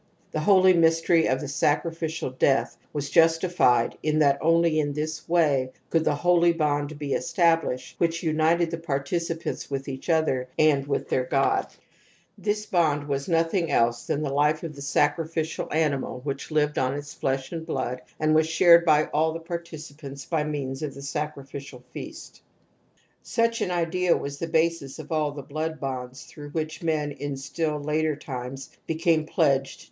The holy mystery of the sacrificial death was^ justified in that only in this way could the holy bond he established which united the participants xipith each other and with their god'^^. V This bond was nothing else than the life of the sacrificial animal which lived on its flesh and »* i.c., p. 313. •^ INFANTILE RECURRENCE OF TOTEMISM 229 blood and was shared bjlJ.ll the participants by means of the sacrificiafTCast.'*S§uch an idea was the basis of all the wod ftondf^tjiroiiflfi which men in still later times became ,plediged.